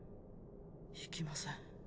行きません。